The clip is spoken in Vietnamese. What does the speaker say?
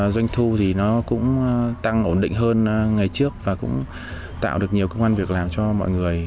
doanh thu thì nó cũng tăng ổn định hơn ngày trước và cũng tạo được nhiều công an việc làm cho mọi người